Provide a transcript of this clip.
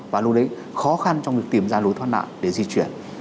và lúc đấy khó khăn trong việc tìm ra lối thoát nạn để di chuyển